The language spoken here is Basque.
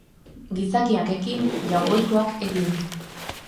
Gizakiak ekin, Jaungoikoak egin